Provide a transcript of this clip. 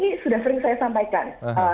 ini sudah sering saya sampaikan